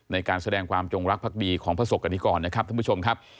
ในการแสดงความจงรักษ์ภักดีของพระศกกันที่ก่อนนะครับท่านผู้ชมครับ